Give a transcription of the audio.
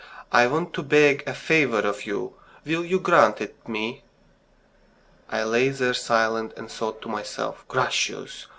I want to beg a favour of you. Will you grant it me?" I lay there silent, and thought to myself: "Gracious!...